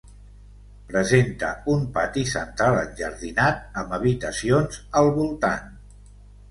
Presenta un pati central enjardinat amb habitacions al voltant.